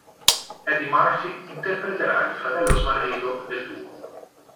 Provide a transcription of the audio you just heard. Eddie Murphy interpreterà il fratello smarrito del duo.